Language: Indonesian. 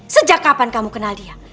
sejak kapan kamu kenal dia